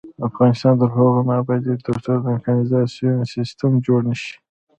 افغانستان تر هغو نه ابادیږي، ترڅو د کانالیزاسیون سیستم جوړ نشي.